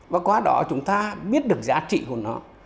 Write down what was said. và qua đó chúng ta biết được giá trị của nó